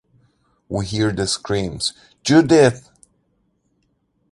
We hear the screams: Judith!